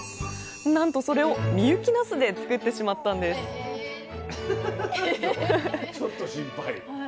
なんとそれを深雪なすで作ってしまったんですちょっと心配。